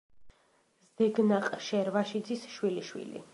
ზეგნაყ შარვაშიძის შვილიშვილი.